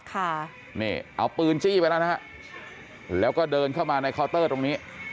ค่ะนี่เอาปืนจี้ไปแล้วนะฮะแล้วก็เดินเข้ามาในเคาน์เตอร์ตรงนี้